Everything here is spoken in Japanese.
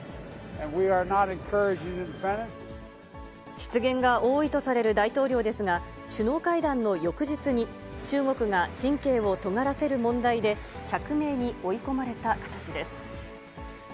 失言が多いとされる大統領ですが、首脳会談の翌日に、中国が神経をとがらせる問題で釈明に追い込まれた形です。